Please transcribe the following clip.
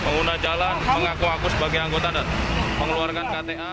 pengguna jalan mengaku aku sebagai anggota dan mengeluarkan kta